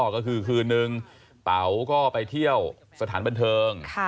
ก็คือคืนนึงเป๋าก็ไปเที่ยวสถานบันเทิง